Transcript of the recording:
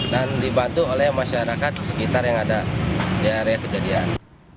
dan dibantu oleh masyarakat sekitar yang ada di area kejadian